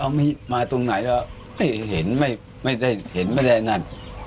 เขามาตรงไหนแล้วเห็นไม่ได้นั่น